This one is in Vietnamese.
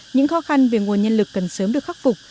những khó khăn về nguồn nhân lực cần sớm được khắc phục